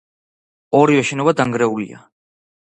ორივე შენობა დანგრეულია.